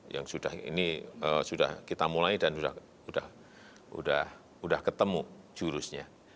yang sudah kita mulai dan sudah ketemu jurusnya